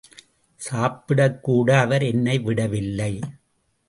சாப்பிடக்கூட அவர் என்னை விடவில்லை.